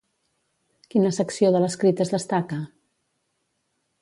Quina secció de l'escrit es destaca?